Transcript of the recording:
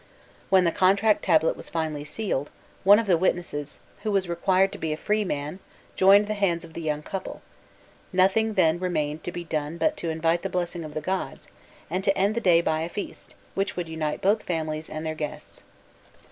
When the contract tablet was finally sealed, one of the witnesses, who was required to be a free man, joined the hands of the young couple; nothing then remained to be done but to invite the blessing of the gods, and to end the day by a feast, which would unite both families and their guests.